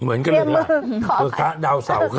เหมือนกันเเหละเช่นก็คาะเดาเสาค่ะ